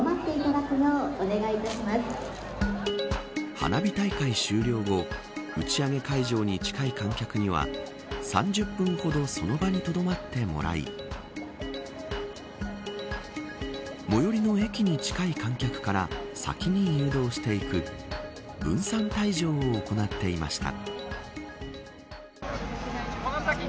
花火大会終了後打ち上げ会場に近い観客には３０分ほどその場にとどまってもらい最寄の駅に近い観客から先に誘導していく分散退場を行っていました。